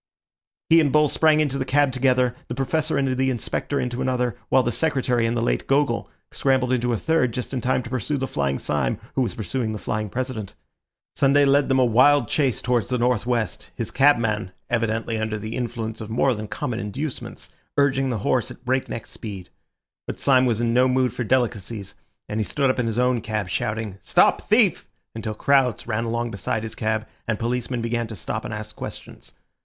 He and Bull sprang into the cab together, the Professor and the Inspector into another, while the Secretary and the late Gogol scrambled into a third just in time to pursue the flying Syme, who was pursuing the flying President. Sunday led them a wild chase towards the north west, his cabman, evidently under the influence of more than common inducements, urging the horse at breakneck speed. But Syme was in no mood for delicacies, and he stood up in his own cab shouting, "Stop thief!" until crowds ran along beside his cab, and policemen began to stop and ask questions.